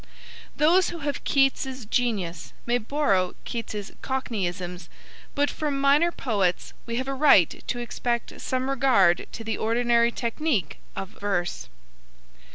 Those who have Keats's genius may borrow Keats's cockneyisms, but from minor poets we have a right to expect some regard to the ordinary technique of verse.